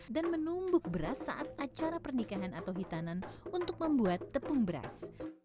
dan menumbuk beras saat acara pernikahan atau hitanan untuk membuat tepung beras